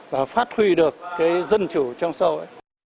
và phát huy được cái dân chủ trong sau ấy